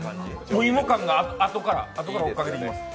お芋感があとから追いかけてきます。